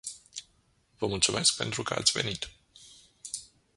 Vă mulțumesc pentru că ați venit.